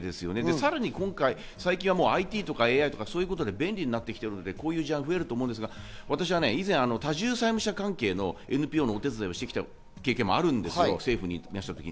さらに今回、最近はもうＩＴとかＡＩとか便利になってきているので、こういうジャンルが増えると思うんですが多重債務者関係のＮＰＯのお手伝いをしてきた経験もあるんです、政府にいたとき。